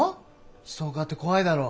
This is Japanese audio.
ストーカーって怖いだろ？